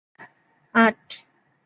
আট